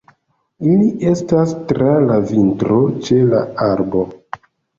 Ili estas tra la vintro ĉe la arbo.